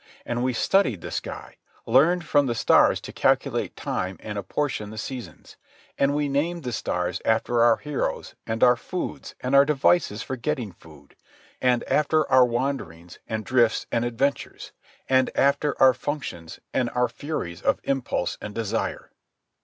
And we studied the sky, learned from the stars to calculate time and apportion the seasons; and we named the stars after our heroes and our foods and our devices for getting food; and after our wanderings, and drifts, and adventures; and after our functions and our furies of impulse and desire.